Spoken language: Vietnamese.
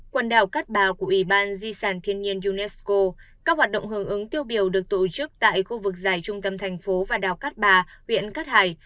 quần đảo cát bà của ủy ban di sản thiên nhiên unesco các hoạt động hưởng ứng tiêu biểu được tổ chức tại khu vực dài trung tâm thành phố và đảo cát bà huyện cát hải